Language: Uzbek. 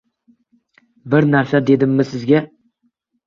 Bir narsa dedimmi sizga